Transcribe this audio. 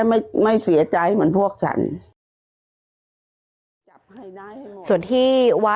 ส่วนที่วัดสุวรรณรัตนารามหรือวัดแครร้ายนะคะ